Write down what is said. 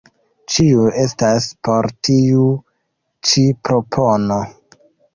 Ĉiuj estas por tiu ĉi propono.